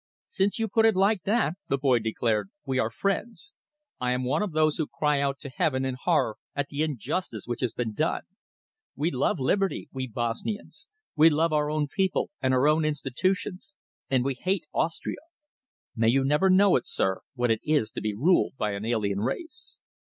"Since you put it like that," the boy declared, "we are friends. I am one of those who cry out to Heaven in horror at the injustice which has been done. We love liberty, we Bosnians. We love our own people and our own institutions, and we hate Austria. May you never know, sir, what it is to be ruled by an alien race!"